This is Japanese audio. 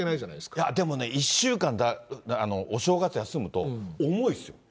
いや、でもね、１週間、お正月休むと、重いっすよ。